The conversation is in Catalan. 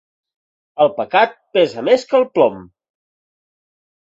El pecat pesa més que el plom.